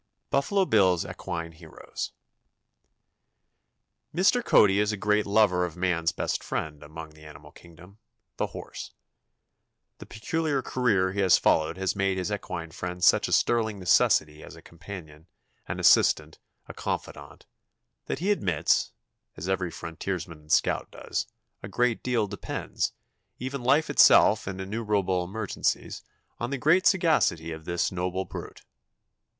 BUFFALO BILL'S EQUINE HEROES. Mr. Cody is a great lover of man's best friend among the animal kingdom the horse. The peculiar career he has followed has made his equine friend such a sterling necessity as a companion, an assistant, a confidant, that he admits, as every frontiersman and scout does, a great deal depends, even life itself in innumerable emergencies, on the general sagacity of this noble brute.